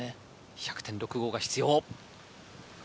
１００．６５が必要。